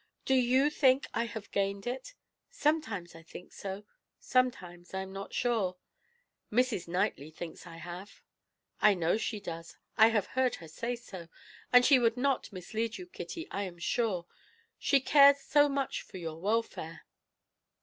Do you think I have gained it? Sometimes I think so; sometimes I am not sure. Mrs. Knightley thinks I have." "I know she does; I have heard her say so, and she would not mislead you, Kitty, I am sure. She cares so much for your welfare."